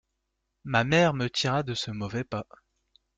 Ma mère me tira de ce mauvais pas.